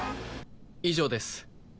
以上です。